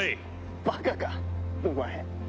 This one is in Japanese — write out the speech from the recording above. バカかお前。